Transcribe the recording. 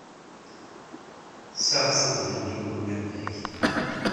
Sɛiɣ tugna n yiwen n unafag.